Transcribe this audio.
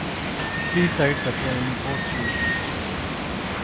Three sites appear in both lists.